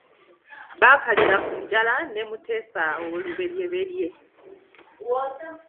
Baakaliira ku njala ne Mutesa I.